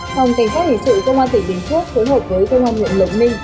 phòng cảnh sát hình sự công an tỉnh bình phước phối hợp với công an huyện lộc ninh